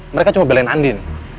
mereka cuma belain andin